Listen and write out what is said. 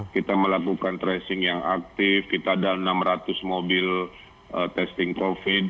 kita melakukan tracing yang aktif kita ada enam ratus mobil testing covid